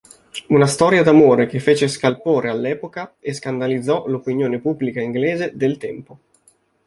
Una storia d'amore che fece scalpore all'epoca e scandalizzò l'opinione pubblica inglese del tempo.